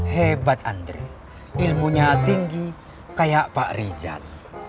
hebat andre ilmunya tinggi kayak pak rizal